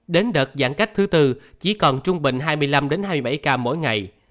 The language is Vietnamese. đến đợt giãn cách thứ tư chỉ còn trung bình hai mươi năm hai mươi bảy ca mỗi ngày